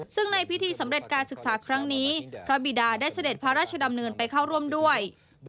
ซึ่งในพิธีสำเร็จการศึกษาครั้งนี้พระบิดาได้เสด็จพระราชดำเนินไปเข้าร่วมด้วย